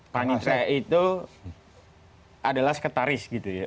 panitra itu adalah sekretaris gitu ya